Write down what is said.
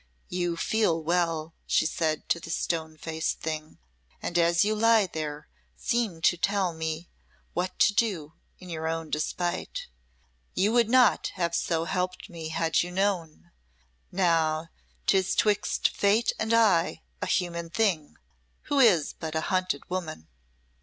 You fell well," she said to the stone faced thing, "and as you lie there, seem to tell me what to do, in your own despite. You would not have so helped me had you known. Now 'tis 'twixt Fate and I a human thing who is but a hunted woman."